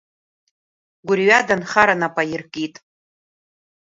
Гәырҩада анхара нап аиркит…